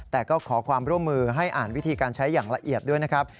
แต่ก็ขอความร่วมมือให้อ่านวิธีการใช้อย่างละเอียดด้วยนะครับ